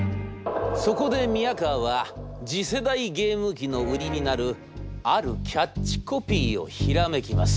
そこで宮河は次世代ゲーム機の売りになるあるキャッチコピーをひらめきます」。